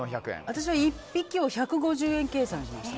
私は１匹を１５０円計算しました。